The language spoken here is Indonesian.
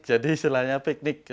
jadi istilahnya piknik